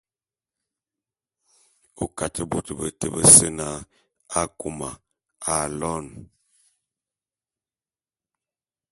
O Kate bôt beté bese na Akôma aloene.